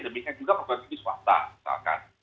demikian juga perkeluaran tinggi swasta misalkan